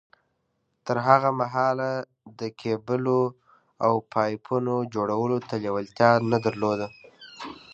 تر هغه مهاله ده د کېبلو او پايپونو جوړولو ته لېوالتيا نه درلوده.